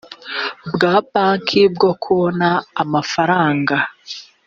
bwa banki bwo kubona amafaranga